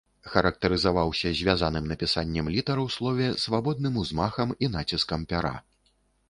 Характарызаваўся звязаным напісаннем літар у слове, свабодным узмахам і націскам пяра.